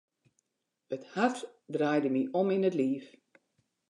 It hart draaide my om yn it liif.